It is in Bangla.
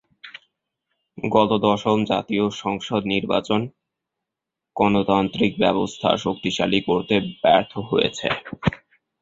গত দশম জাতীয় সংসদ নির্বাচন গণতান্ত্রিক ব্যবস্থা শক্তিশালী করতে ব্যর্থ হয়েছে।